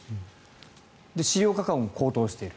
飼料価格も高騰している。